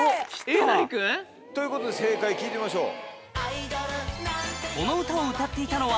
えなり君？ということで正解聴いてみましょう。